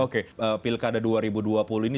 oke pilkada dua ribu dua puluh ini